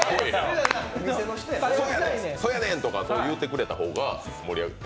そやねんとか言うてくれた方が盛り上がる。